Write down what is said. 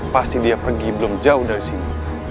pasti dia pergi belum jauh dari sini